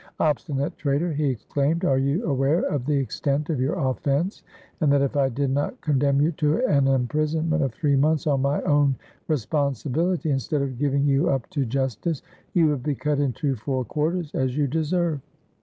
"Obstinate traitor!" he exclaimed; "are you aware of the extent of your offense, and that if I did not con demn you to an imprisonment of three months on my own responsibility, instead of giving you up to justice, you would be cut into four quarters, as you deserve?"